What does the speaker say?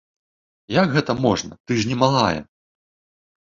Як гэта можна, ты ж не малая!